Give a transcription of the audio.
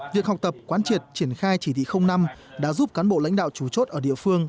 việc học tập quán triệt triển khai chỉ thị năm đã giúp cán bộ lãnh đạo chủ chốt ở địa phương